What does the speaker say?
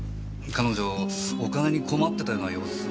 彼女お金に困ってたような様子は。